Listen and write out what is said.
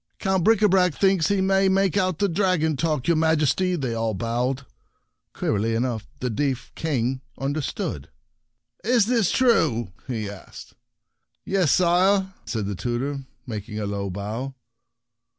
" Count Bricabrac thinks he may make out the dragon talk, yourMajesty!" they all bawled. Queerly enough the deaf King understood. " Is this true ?" he asked. "Yes, sire," answered the tutor, making a low bow.